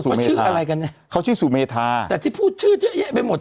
ส่วนทรวงชื่อเจศแต่พูดชื่อเยอะแยะไปหมด